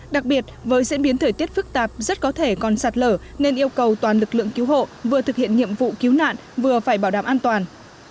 đặc biệt với diễn biến thời tiết phức tạp rất có thể còn sạt lở nên yêu cầu toàn lực lượng cứu hộ vừa thực hiện nhiệm vụ cứu nạn vừa phải bảo đảm an toàn